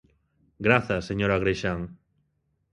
Grazas, señor Agrexán.